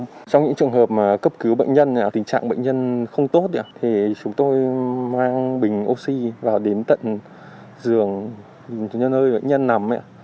trong những trường hợp mà cấp cứu bệnh nhân tình trạng bệnh nhân không tốt thì chúng tôi mang bình oxy vào đến tận giường cho những nơi bệnh nhân nằm